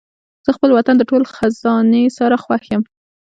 زه خپل وطن د ټولو خزانې سره خوښ یم.